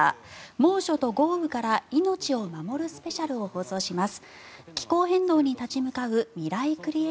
猛暑と豪雨から命を守るスペシャルを放送します。